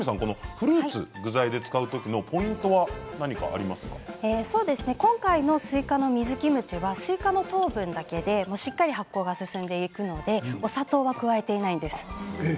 フルーツ、具材で使う時の今回のスイカの水キムチはスイカの糖分だけでしっかり発酵が進んでいくのでお砂糖を加えていないんです。